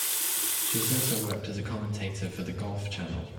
She has also worked as a commentator for the Golf Channel.